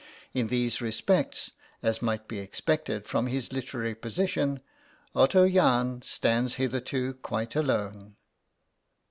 In these respects, as might be expected from his literary position, Otto Jahn stands hitherto quite alone.